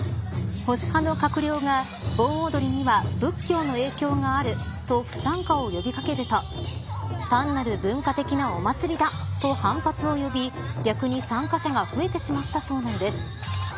保守派の閣僚が、盆踊りには仏教の影響があると不参加を呼び掛けると単なる文化的なお祭りだと反発を呼び逆に参加者が増えてしまったそうなんです。